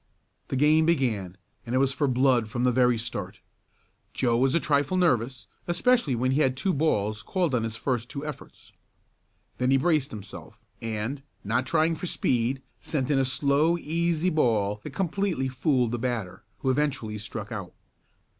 The game began, and it was for "blood" from the very start. Joe was a trifle nervous, especially when he had two balls called on his first two efforts. Then he braced himself, and, not trying for speed, sent in a slow, easy ball that completely fooled the batter, who eventually struck out.